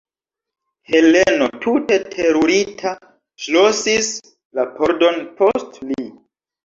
Heleno, tute terurita, ŝlosis la pordon post li.